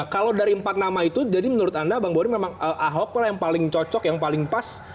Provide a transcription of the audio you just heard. kalau dari empat nama itu jadi menurut anda bang boni memang ahok yang paling cocok yang paling pas